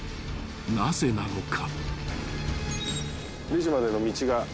［なぜなのか］